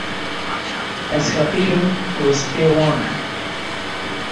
Ez feqîr im rizqê wan im